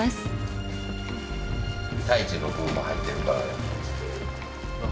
太一の分も入ってるからな半分。